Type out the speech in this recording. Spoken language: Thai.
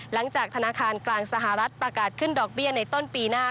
ธนาคารกลางสหรัฐประกาศขึ้นดอกเบี้ยในต้นปีหน้า